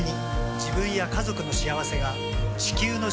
自分や家族の幸せが地球の幸せにつながっている。